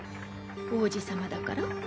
皇子様だから？